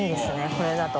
これだと。